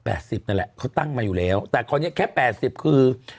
ไม่ได้หรอก๘๐นั่นแหละเขาตั้งมาอยู่แล้วแต่ตอนนี้แค่๘๐คือ